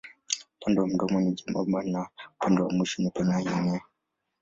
Upande wa mdomo ni nyembamba na upande wa mwisho ni pana yenye.